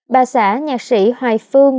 bà xã nhạc sĩ hoài phương